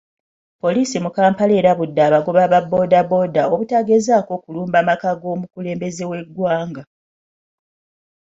Poliisi mu Kampala erabudde abagoba ba boda boda obutagezaako kulumba maka g'omukulembeze w'eggwanga.